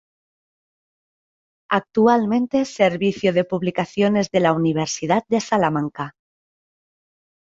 Actualmente servicio de publicaciones de la Universidad de Salamanca.